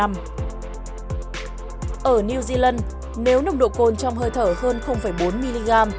ở new zealand nếu nồng độ cồn trong hơi thở hơn bốn mg